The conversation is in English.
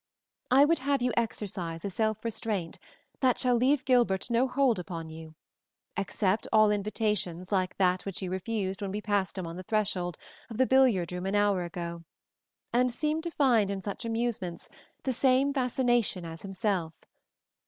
I would have you exercise a self restraint that shall leave Gilbert no hold upon you, accept all invitations like that which you refused when we passed him on the threshold of the billiard room an hour ago, and seem to find in such amusements the same fascination as himself.